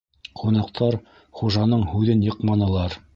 Ҡунаҡтар хужаның һүҙен йыҡманылар.